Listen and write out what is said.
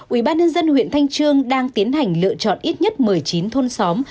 ubnd huyện thanh trương đang tiến hành lựa chọn ít nhất một mươi chín thôn xóm